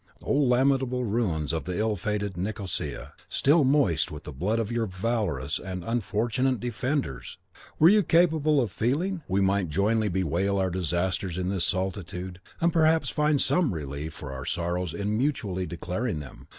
"O lamentable ruins of the ill fated Nicosia, still moist with the blood of your valorous and unfortunate defenders! Were you capable of feeling, we might jointly bewail our disasters in this solitude, and perhaps find some relief for our sorrows in mutually declaring them.